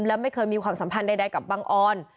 และไม่เคยมีความสัมพันธ์ใดกับบังออน